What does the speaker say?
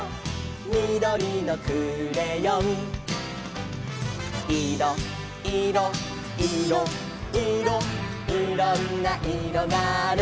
「みどりのクレヨン」「いろいろいろいろ」「いろんないろがある」